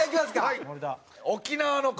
はい。